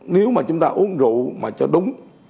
nếu mà chúng ta uống rượu mà cho đúng